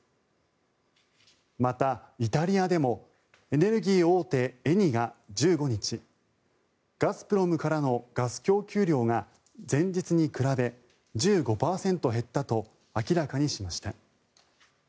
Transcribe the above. また、イタリアでもエネルギー大手、エニが１５日ガスプロムからのガス供給量が前日に比べ１５％減ったと明らかにしました。